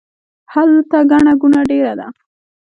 هلته ګڼه ګوڼه ډیره ده